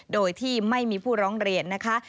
โดยที่ไม่มีผู้ร้องเรียนนะคะ